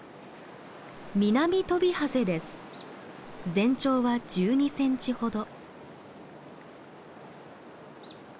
全長は１２センチほど。